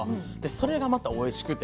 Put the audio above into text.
それがまたおいしくて。